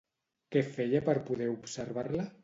Què feia per poder observar-la?